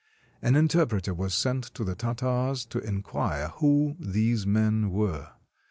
An interpreter was sent to the Tartars to inquire who these men were.